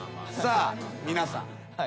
さあ皆さん。